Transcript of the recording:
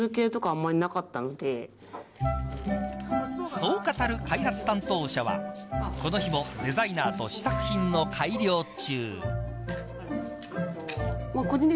そう語る開発担当者はこの日もデザイナーと試作品の改良中。